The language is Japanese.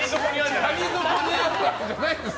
谷底にあるわけじゃないです。